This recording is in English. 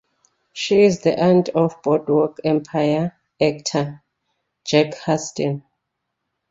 She is the aunt of "Boardwalk Empire" actor Jack Huston.